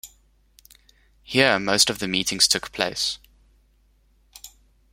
Here most of the meetings took place.